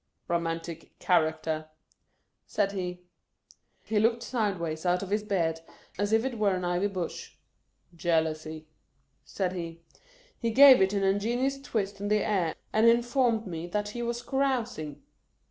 " Romantic character," said he. He looked sideways out of his beard, as if it were an ivy bush. " Jealousy," said he. He gave it an ingenious twist in the air, and informed me that he was carousing.